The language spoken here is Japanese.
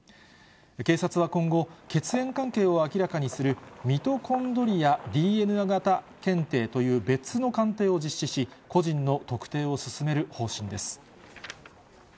警察は今後、血縁関係を明らかにするミトコンドリアＤＮＡ型鑑定という別の鑑定を実施し、個人の特定を進める方針です。